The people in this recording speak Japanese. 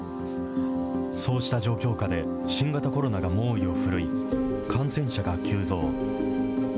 そうした状況下で新型コロナが猛威を振るい、感染者が急増。